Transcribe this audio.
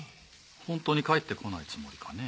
本当に帰って来ないつもりかね？